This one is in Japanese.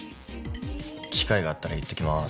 機会があったら言っときます。